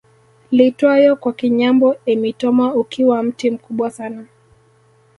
Iitwayo kwa Kinyambo emitoma ukiwa mti mkubwa sana